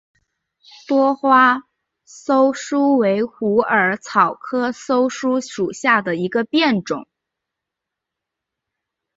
多花溲疏为虎耳草科溲疏属下的一个变种。